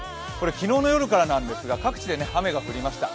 昨日の夜からなんですが、各地で雨が降りました。